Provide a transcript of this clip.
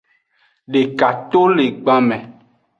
Deka to le gban me.